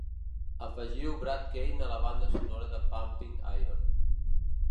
Afegiu Brad Kane a la banda sonora de Pumping Iron.